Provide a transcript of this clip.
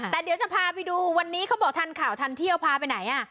แต่เดี๋ยวจะพาไปดูวันนี้เขาบอกทันข่าวทันเที่ยวพาไปไหน